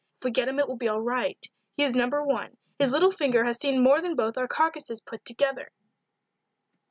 If we get him it will be all right he is No. 1; his little finger has seen more than both our carcasses put together."